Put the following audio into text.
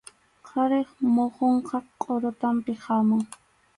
Qharip muhunqa qʼurutanpi hamun.